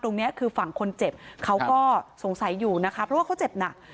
ตรงนี้คือฝั่งคนเจ็บเขาก็สงสัยอยู่นะคะเพราะว่าเขาเจ็บหนัก